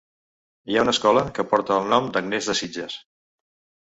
Hi ha una escola que porta el nom d'Agnès de Sitges.